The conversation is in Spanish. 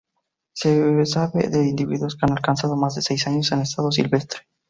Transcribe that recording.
Se sabe de individuos que han alcanzado más de seis años en estado silvestre.